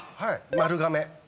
「丸亀」